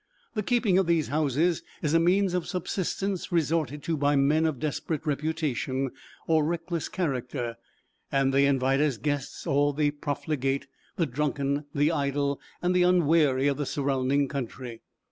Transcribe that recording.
The keeping of these houses is a means of subsistence resorted to by men of desperate reputation, or reckless character, and they invite as guests all the profligate, the drunken, the idle, and the unwary of the surrounding country.